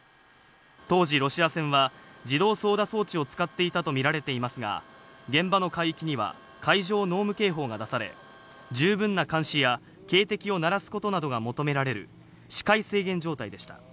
当時ロシア船は自動操舵装置を使っていたとみられていますが、現場の海域には海上濃霧警報が出され、十分な監視や警笛を鳴らすことなどが求められる、視界制限状態でした。